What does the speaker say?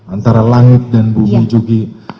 antara langit dan bumi jugi